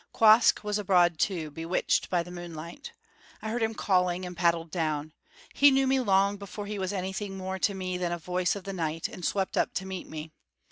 Quoskh was abroad too, bewitched by the moonlight. I heard him calling and paddled down. He knew me long before he was anything more to me than a voice of the night, and swept up to meet me.